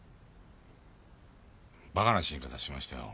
バカな死に方しましたよ